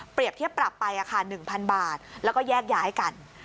เปรียบเทียบปรับไปอาคารหนึ่งพันบาทแล้วก็แยกย้ายกัน